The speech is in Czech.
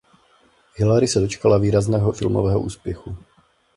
Hilary se dočkala výrazného filmového úspěchu.